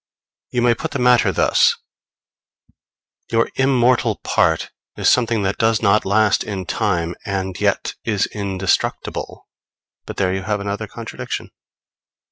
You may put the matter thus: Your immortal part is something that does not last in time and yet is indestructible; but there you have another contradiction!